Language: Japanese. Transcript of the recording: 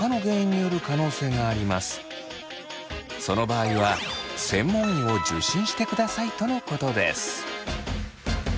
その場合は専門医を受診してくださいとのことです。